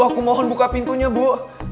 aku mohon buka pintunya bu